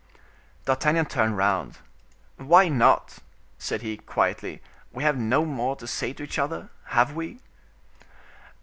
D'Artagnan turned round: "Why not?" said he, quietly, "we have no more to say to each other, have we?"